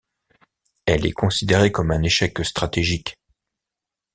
Elle est considérée comme un échec stratégique.